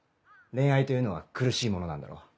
恋愛というのは苦しいものなんだろ。